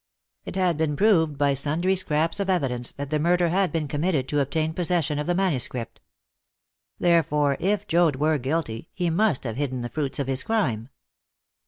It had been proved by sundry scraps of evidence that the murder had been committed to obtain possession of the manuscript. Therefore, if Joad were guilty, he must have hidden the fruits of his crime.